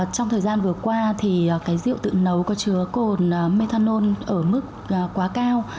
trong thời gian vừa qua thì cái rượu tự nấu có chứa cồn methanol ở mức quá cao